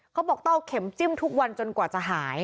เขาบอกต้องเอาเข็มจิ้มทุกวันจนกว่าจะหาย